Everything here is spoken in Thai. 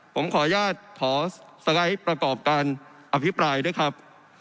ผมขออนุญาตขอสไลด์ประกอบการอภิปรายด้วยครับ